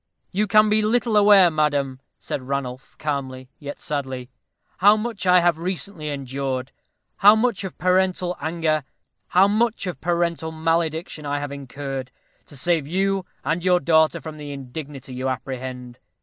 "You can be little aware, madam," said Ranulph, calmly, yet sadly, "how much I have recently endured how much of parental anger how much of parental malediction I have incurred, to save you and your daughter from the indignity you apprehend.